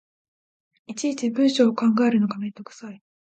いちいち文章を考えるのがめんどくさい